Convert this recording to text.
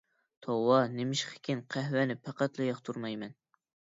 توۋا، نېمىشقىكىن قەھۋەنى پەقەتلا ياقتۇرمايمەن.